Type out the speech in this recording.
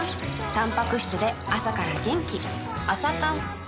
たんぱく質で朝から元気